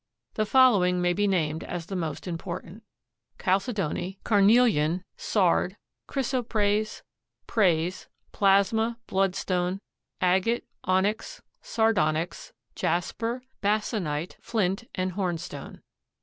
The following may be named as the most important: Chalcedony, carnelian, sard, chrysoprase, prase, plasma, bloodstone, agate, onyx, sardonyx, jasper, basanite, flint and hornstone.